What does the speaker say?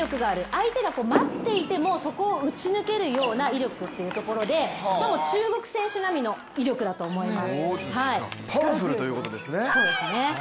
相手が待っていてもそこを打ち抜けるような威力っていうところで中国選手並の威力だと思います。